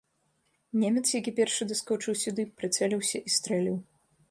Немец, які першы даскочыў сюды, прыцэліўся і стрэліў.